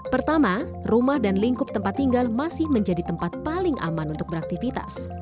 pertama rumah dan lingkup tempat tinggal masih menjadi tempat paling aman untuk beraktivitas